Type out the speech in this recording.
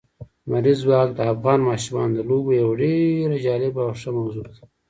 لمریز ځواک د افغان ماشومانو د لوبو یوه ډېره جالبه او ښه موضوع ده.